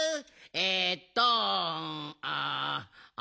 えっとああっ？